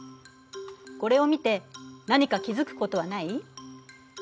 これを見て何か気付くことはない？